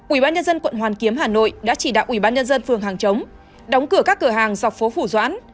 ubnd quận hoàn kiếm hà nội đã chỉ đạo ubnd phường hàng chống đóng cửa các cửa hàng dọc phố phủ doãn